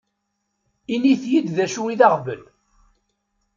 Init-yi-d d acu i d aɣbel.